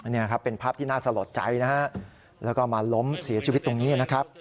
นี่เป็นภาพที่น่าสะลดใจแล้วก็มาล้มเสียชีวิตตรงนี้